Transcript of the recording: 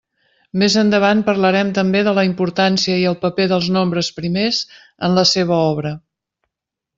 Més endavant parlarem també de la importància i el paper dels nombres primers en la seva obra.